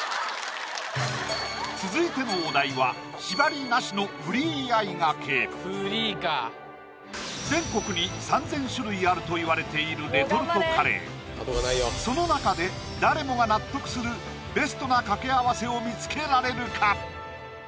続いてのお題は縛りなしのフリーあいがけ全国に３０００種類あるといわれているレトルトカレーその中で誰もが納得するベストな掛け合わせを見つけられるか？